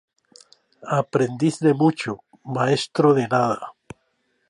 Aprendiz de mucho, maestro de nada